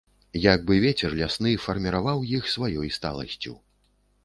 Як бы вецер лясны фарміраваў іх сваёй сталасцю.